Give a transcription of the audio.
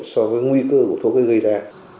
và cái nguy cơ của thuốc ấy gây ra